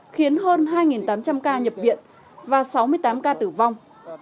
khiến hơn hai tám trăm linh ca nhập viện và sáu mươi tám ca tử vong